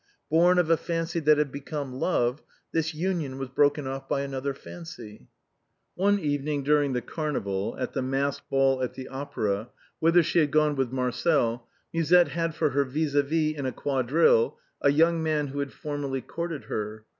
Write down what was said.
Born of a fancy that had become love, this union was broken off by another fancy. One evening during the carnival, at the masked ball at the Opera, whither she had gone with Marcel, Musette had for her vis a vis in a quadrille a young man who had for merly courted her.